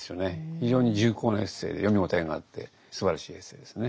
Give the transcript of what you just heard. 非常に重厚なエッセイで読み応えがあってすばらしいエッセイですね。